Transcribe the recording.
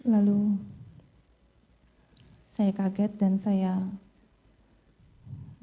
lalu saya kaget dan saya marah sama pak su saat itu